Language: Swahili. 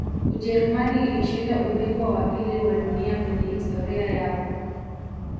ujerumani ilishinda ubingwa wa pili wa dunia kwenye historia yao